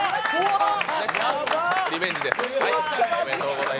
リベンジです、はい。